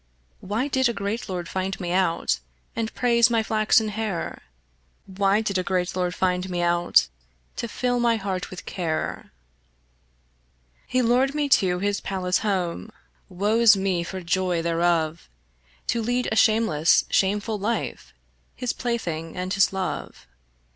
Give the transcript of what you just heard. Why did a great lord find me out, And praise my flaxen hair? Why did a great lord find me out, To fill my heart with care? He lured me to his palace home Woe's me for joy thereof To lead a shameless shameful life, His plaything and his love.